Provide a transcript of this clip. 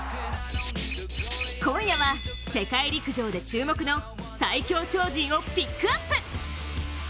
今夜は世界陸上で注目の最強超人をピックアップ！